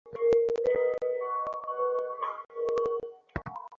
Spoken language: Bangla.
একটু সাহায্য করো!